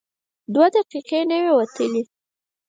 دوه دقیقې نه وې وتلې.